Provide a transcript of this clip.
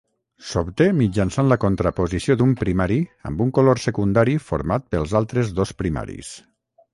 S'obté mitjançant la contraposició d'un primari amb un color secundari format pels altres dos primaris.